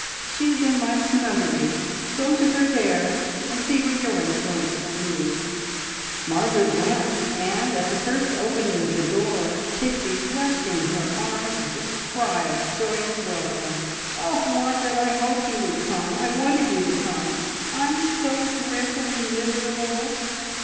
She is in my snuggery. Go to her there, and see what your influence will do!" Margaret went, and, at the first opening of the door, Pixie rushed into her arms with a cry of joyous welcome. "Oh, Margaret, I hoped you would come! I wanted you to come. I'm so dreadfully miserable."